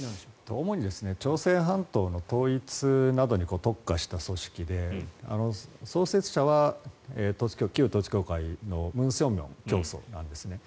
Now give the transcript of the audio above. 主に朝鮮半島の統一などに特化した組織で創設者は旧統一教会のムン・ソンミョン教祖なんですね。